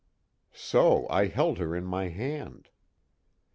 _So I held her in my hand.